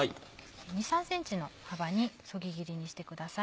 ２３ｃｍの幅にそぎ切りにしてください。